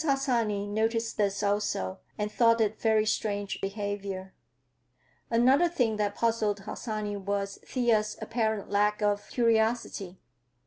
Harsanyi noticed this, also, and thought it very strange behavior. Another thing that puzzled Harsanyi was Thea's apparent lack of curiosity.